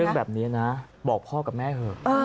เรื่องแบบนี้นะบอกพ่อกับแม่เถอะ